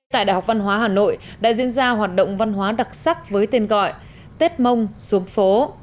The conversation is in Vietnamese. tại đại học văn hóa hà nội đã diễn ra hoạt động văn hóa đặc sắc với tên gọi tết mông xuống phố